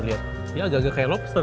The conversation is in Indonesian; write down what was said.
lihat ya agak agak kayak lobster